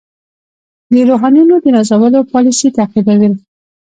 د روحانیونو د نازولو پالیسي تعقیبول.